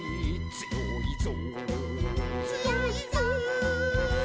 「つよいぞ」